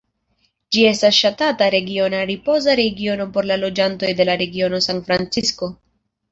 Ĝi estas ŝatata regiona ripoza regiono por la loĝantoj de la regiono San Francisko.